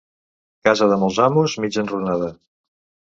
Casa de molts amos, mig enrunada.